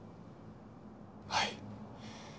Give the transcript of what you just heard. はい。